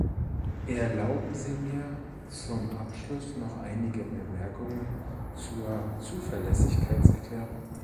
Erlauben Sie mir zum Abschluss noch einige Bemerkungen zur Zuverlässigkeitserklärung.